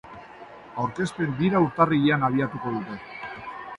Aurkezpen-bira urtarrilean abiatuko dute.